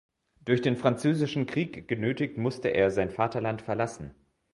Durch den Französischen Krieg genötigt musste er sein Vaterland verlassen.